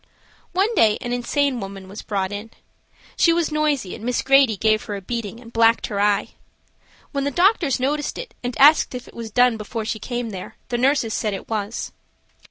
One day an insane woman was brought in. She was noisy, and Miss Grady gave her a beating and blacked her eye. When the doctors noticed it and asked if it was done before she came there the nurses said it was.